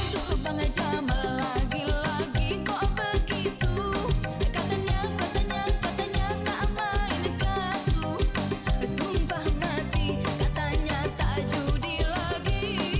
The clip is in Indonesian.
lagi lagi kok begitu katanya katanya katanya tak main gatu sumpah mati katanya tak judi lagi